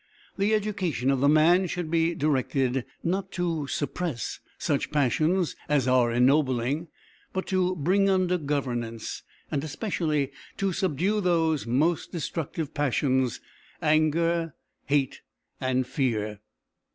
The education of the man should be directed, not to suppress such passions as are ennobling, but to bring under governance, and especially to subdue, those most destructive passions, anger, hate, and fear.